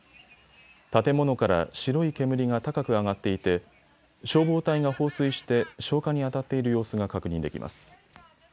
建物から白い煙が高く上がっていて消防隊が放水して消火にあたっている様子が確認できます。